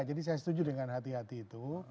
jadi saya setuju dengan hati hati itu